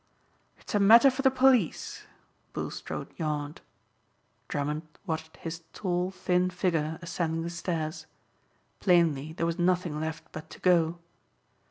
"It is a matter for the police," Bulstrode yawned. Drummond watched his tall, thin figure ascending the stairs. Plainly there was nothing left but to go.